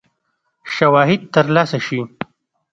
شواهد تر لاسه شي.